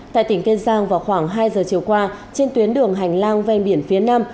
tại tỉnh kênh giang vào khoảng hai h chiều qua trên tuyến đường hành lang ven biển phía nam